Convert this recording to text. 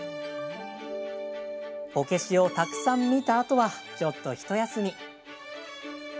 こけしをたくさん見たあとはちょっとひと休み。